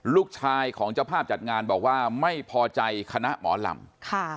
ลูกชายของเจ้าภาพจัดงานบอกว่าไม่พอใจคณะหมอลำค่ะ